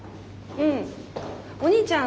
うん。